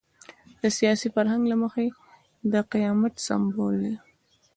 د سیاسي فرهنګ له مخې د قیامت سمبول دی.